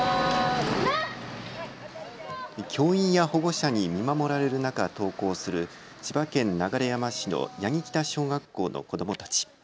教員や保護者に見守られる中登校する千葉県流山市の八木北小学校の子どもたち。